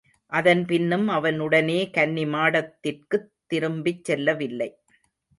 அதன் பின்னும் அவன் உடனே கன்னிமாடத்திற்குத் திரும்பிச் செல்லவில்லை.